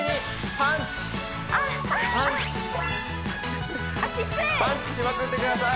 パンチしまくってください！